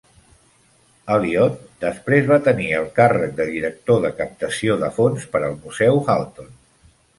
Elliot després va tenir el càrrec de director de captació de fons per al museu Halton.